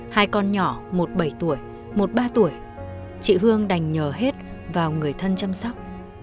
hai con nhỏ một bảy tuổi một ba tuổi chị hương đành nhờ hết vào người thân chăm sóc